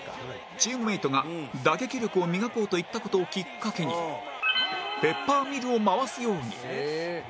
チームメートが「打撃力を磨こう」と言った事をきっかけにペッパーミルを回すように